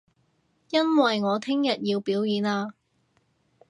因為我聽日要表演啊